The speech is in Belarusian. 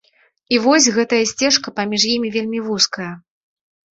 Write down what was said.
І вось гэтая сцежка паміж імі вельмі вузкая.